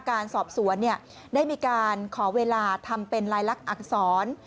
การสอบสวนได้มีการขอเวลาทำเป็นลายลักษร